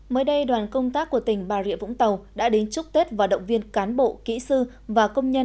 mới đây đoàn công tác của tỉnh bà rịa vũng tàu đã đến chúc tết và động viên cán bộ kỹ sư và công nhân